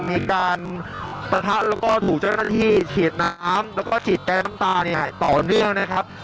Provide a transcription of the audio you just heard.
มีการปะทะแล้วก็ถูกเจ้าหน้าที่ฉีดน้ำแล้วก็ฉีดแกน้ำตาเนี่ยต่อเนื่องนะครับ